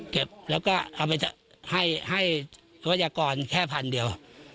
เก็บแล้วก็เอาไปให้ศวยากรแค่พันเดียว